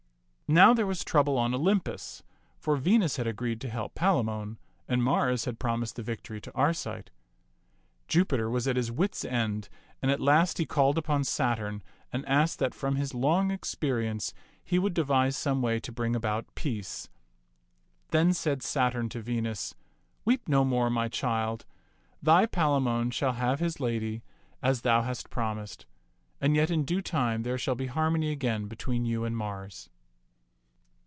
Now there was trouble on Olympus, for Venus had agreed to help Palamon, and Mars had promised the victory to Arcite. Jupiter was at his wit's end, and at last he called upon Saturn and asked that from his long experience he would devise some way to bring about peace. Then said Saturn to Venus, " Weep no more, my child. Thy Palamon shall have his lady as 40 t^t Mnx^^fB tak thou hast promised; and yet in due time there shall be harmony again between you and Mars."